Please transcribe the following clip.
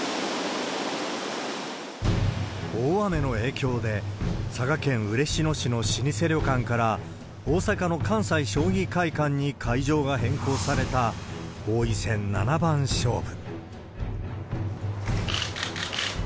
大雨の影響で、佐賀県嬉野市の老舗旅館から、大阪の関西将棋会館に会場が変更された王位戦七番勝負。